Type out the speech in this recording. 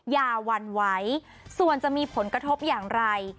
หวั่นไหวส่วนจะมีผลกระทบอย่างไร